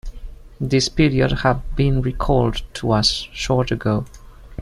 This period have been recalled to us short ago.